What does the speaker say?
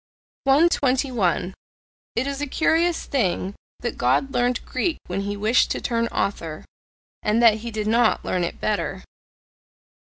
121. It is a curious thing that God learned Greek when he wished to turn author and that he did not learn it better.